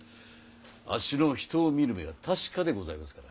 あっしの人を見る目は確かでございますから。